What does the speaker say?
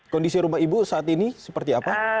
kondisi rumah ibu saat ini seperti apa